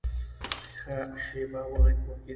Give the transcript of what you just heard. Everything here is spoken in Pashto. ښه شېبه وږغېدی !